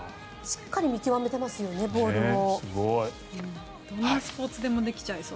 しっかり見極めていますよね、ボールを。